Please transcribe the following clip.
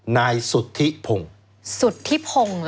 นายสุธิพงสุธิพงหรอ